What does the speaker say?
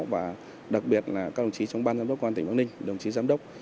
và đặc biệt là các đồng chí trong ban giám đốc cơ quan tình bắc ninh đồng chí giám đốc